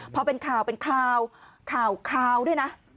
พอเป็นข่าวเป็นคราวข่าวคาวด้วยนะ